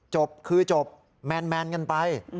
จบคือจบแมนกันไป